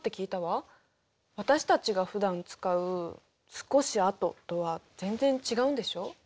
私たちがふだん使う「少しあと」とは全然違うんでしょう。